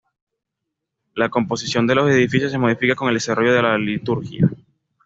La composición de los edificios se modifica con el desarrollo de la liturgia.